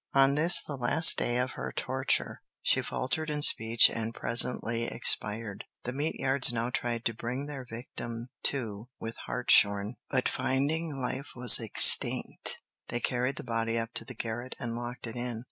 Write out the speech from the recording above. On this, the last day of her torture, she faltered in speech and presently expired. The Meteyards now tried to bring their victim to with hartshorn, but finding life was extinct, they carried the body up to the garret and locked it in.